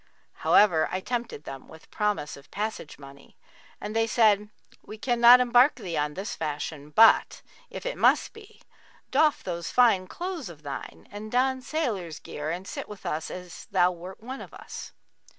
However, I tempted them with promise of passage money and they said, 'We cannot embark thee on this fashion;[FN#42] but, if it must be, doff those fine clothes of thine and don sailor's gear and sit with us as thou wert one of us.'